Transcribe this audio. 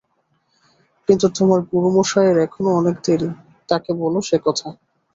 কিন্তু তোমার গুরুমশায়ের এখনও অনেক দেরী, তাঁকে বল সে-কথা।